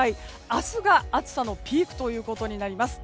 明日が暑さのピークということになります。